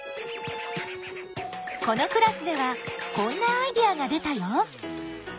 このクラスではこんなアイデアが出たよ！